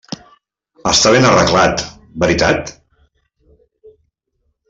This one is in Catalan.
Està ben arreglat, veritat?